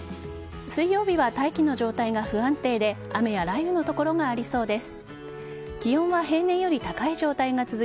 水曜日は大気の状態が不安定で雨や雷雨の所がありそうです。